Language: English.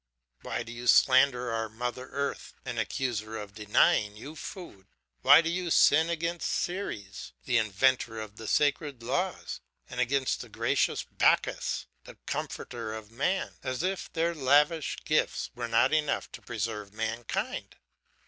Why do you slander our mother earth, and accuse her of denying you food? Why do you sin against Ceres, the inventor of the sacred laws, and against the gracious Bacchus, the comforter of man, as if their lavish gifts were not enough to preserve mankind?